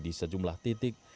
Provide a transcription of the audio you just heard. di sejumlah titik